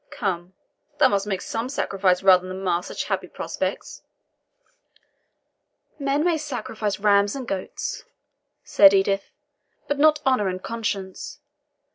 Come, thou must make some sacrifice rather than mar such happy prospects." "Men may sacrifice rams and goats," said Edith, "but not honour and conscience.